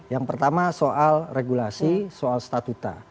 yang pertama soal regulasi soal statuta